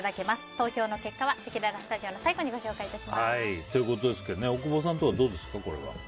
投票の結果はせきららスタジオの最後に大久保さんはどうですか？